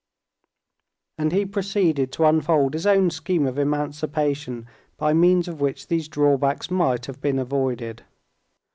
And he proceeded to unfold his own scheme of emancipation by means of which these drawbacks might have been avoided.